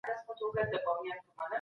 هغه نسي کولای چي حقیقت پټ کړي.